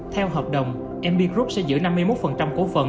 theo hợp đồng mp group sẽ giữ năm mươi một cổ phần